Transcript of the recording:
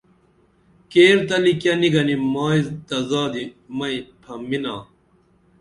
کیرتلی کیہ نی گنِم مائی تہ زادی مئی پھمبِنا